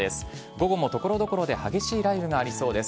午後もところどころで激しい雷雨がありそうです。